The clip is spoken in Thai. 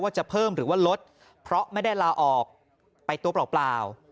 จะเพิ่มหรือว่าลดเพราะไม่ได้ลาออกไปตัวเปล่า